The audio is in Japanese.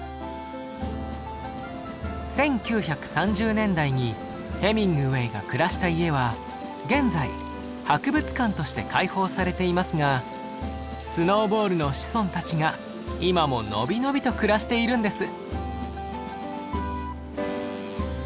１９３０年代にヘミングウェイが暮らした家は現在博物館として開放されていますがスノーボールの子孫たちが今も伸び伸びと暮らしているんです。